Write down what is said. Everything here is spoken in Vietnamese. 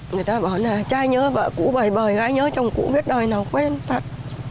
người ta bảo là trai nhớ vợ cũ bời bời gái nhớ chồng cũ biết đời nào quên thật